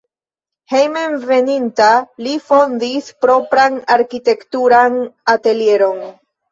Hejmenveninta li fondis propran arkitekturan atelieron.